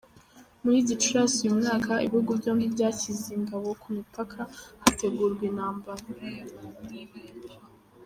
Muri Gicurasi uyu mwaka, ibihugu byombi byashyize ingabo ku mipaka, hategurwa intambara.